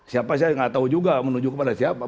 siapa saya nggak tahu juga menuju kepada siapa